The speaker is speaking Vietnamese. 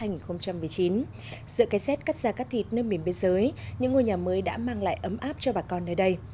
giữa cái rét cắt da cắt thịt nơi miền biên giới những ngôi nhà mới đã mang lại ấm áp cho bà con nơi đây